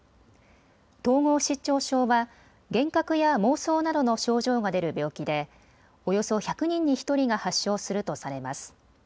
統合失調症は幻覚や妄想などの症状が出る病気でおよそ１００人に１人が発症するとされます。